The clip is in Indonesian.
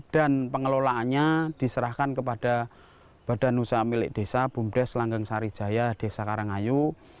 dan pengelolaannya diserahkan kepada badan usaha milik desa bumdes langking sari jaya desa karangayu